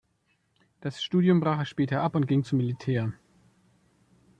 Das Studium brach er später ab und ging zum Militär.